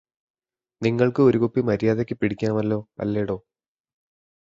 നിങ്ങള്ക്ക് ഒരു കുപ്പി മര്യാദയ്ക്ക് പിടിക്കാമല്ലോ അല്ലേടോ